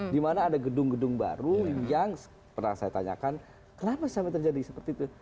di mana ada gedung gedung baru yang pernah saya tanyakan kenapa sampai terjadi seperti itu